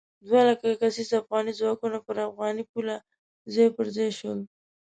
دوه لک کسیز افغاني ځواکونه پر افغاني پوله ځای پر ځای شول.